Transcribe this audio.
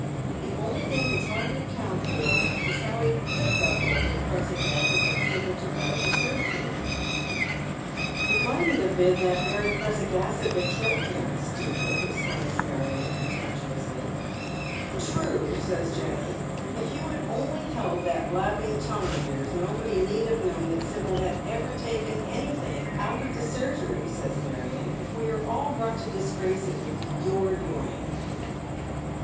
" The only thing that's hard to account foi is how he could have got hold of the piiissic acid that Sibj I took wut 0/ the surgery." i^Jiiut nere is one who loves you as of otdJ" 339 " 1\ mightn't have heen that very prussic acid that killed him, ntupid," exclaims Marion, contemptuously. " True," Bays Jenny. " If you had only held that blabbing tongue of yours nobody need have known that Sibyl had ever taken anything out of the eurgery," says Marion. " If we are all brought to disgrace it •vill be your doing."